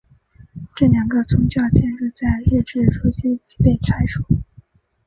这两个宗教建筑在日治初期即被拆除。